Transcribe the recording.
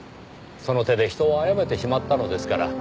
その手で人を殺めてしまったのですから。